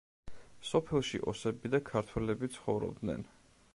სოფელში ოსები და ქართველები ცხოვრობდნენ.